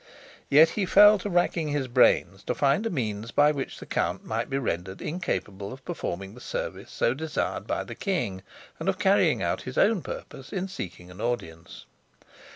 Yet he fell to racking his brains to find a means by which the count might be rendered incapable of performing the service so desired by the king and of carrying out his own purpose in seeking an audience.